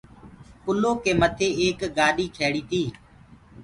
پلوُ ڪي مٿي ايڪ گآڏي کيڙيٚ تيٚ